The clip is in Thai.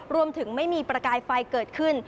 รวมถึงไม่มีประกายไฟเกิดขึ้น